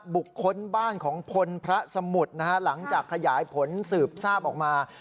บุคคลบ้านของพลพระสมุทรนะฮะหลังจากขยายผลสืบทราบออกมา